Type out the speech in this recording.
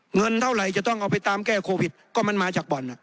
เงินเท่าไหร่จะต้องเอาไปตามแก้โควิดก็มันมาจากบ่อน